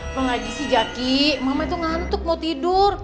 apa ngaji sih jaki mama itu ngantuk mau tidur